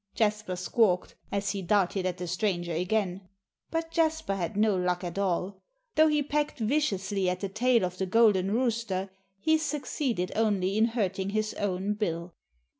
Jasper squawked, as he darted at the stranger again. But Jasper had no luck at all. Though he pecked viciously at the tail of the golden rooster, he succeeded only in hurting his own bill.